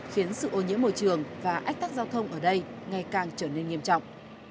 khiến sự ô nhiễm môi trường và ách tắc giao thông ở đây ngày càng trở nên nghiêm trọng